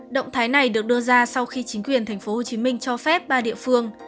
động thái này được đưa ra sau khi chính quyền tp hcm cho phép ba địa phương